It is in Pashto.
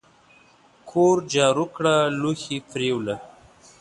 کور جارو کړه لوښي پریوله !